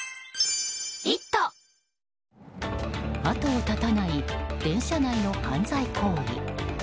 後を絶たない電車内の犯罪行為。